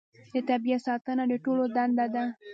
د طبیعت ساتنه د ټولو دنده ده